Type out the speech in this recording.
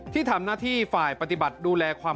ที่ทำหน้าที่ฝ่ายปฏิบัติดูแลความ